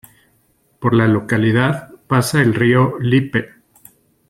Por la localidad pasa el río Lippe